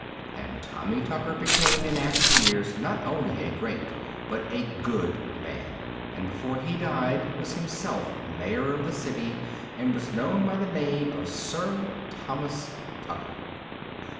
And Tommy Tucker became in after years not only a great, but a good man, and before he died was himself mayor of the city, and was known by the name of Sir Thomas Tucker.